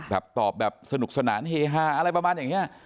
แบบตอบแบบสนุกสนานเฮฮาอะไรประมาณอย่างนี้